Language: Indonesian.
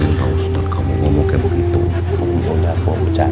sepertinya yang anda baik baik aja